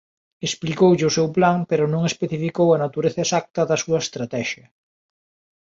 Explicoulle o seu plan pero non especificou a natureza exacta da súa estratexia.